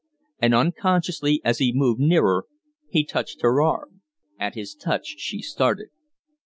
And unconsciously, as he moved nearer, he touched her arm. At his touch she started.